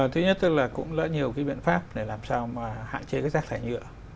thứ nhất tức là cũng đã nhiều cái biện pháp để làm sao mà hạn chế cái rác thải nhựa